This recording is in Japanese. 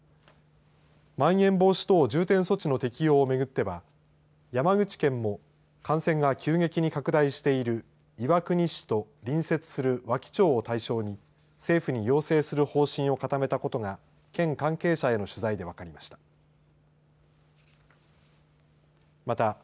まん延防止等重点措置の適用をめぐっては山口県も感染が急激に拡大している岩国市と隣接する和木町を対象に政府に要請する方針を固めたことが県関係者への取材で分かりました。